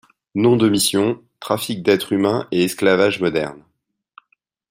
Nom de mission: Trafic d'être humains et esclavage moderne.